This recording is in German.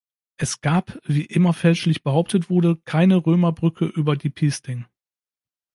Es gab, wie immer fälschlich behauptet wurde, keine Römerbrücke über die Piesting.